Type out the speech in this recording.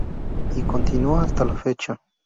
Y continuó hasta la fecha.